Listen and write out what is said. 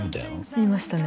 言いましたね